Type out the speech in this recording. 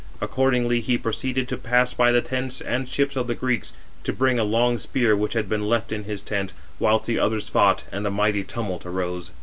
Accordingly he proceeded to pass by the tents and ships of the Greeks, to bring a long spear which had been left in his tent; whilst the others fought, and a mighty tumult arose.